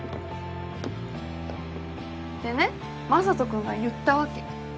でね雅人君が言ったわけ。